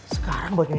sekarang baru nyesel ya